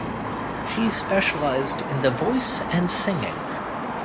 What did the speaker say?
She specialised in the Voice and Singing.